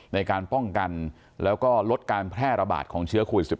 ในการป้องกันแล้วก็ลดการแพร่ระบาดของเชื้อโควิด๑๙